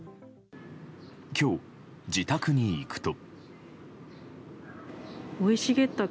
今日、自宅に行くと。